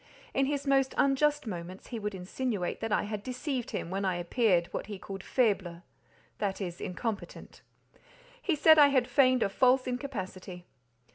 In his most unjust moments he would insinuate that I had deceived him when I appeared, what he called "faible"—that is incompetent; he said I had feigned a false incapacity.